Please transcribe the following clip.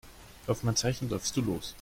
Auf mein Zeichen läufst du los.